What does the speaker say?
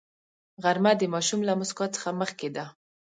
غرمه د ماشوم له موسکا څخه مخکې ده